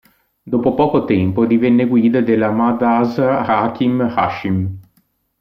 Dopo poco tempo divenne guida della "Madrasa Hakim Hashim".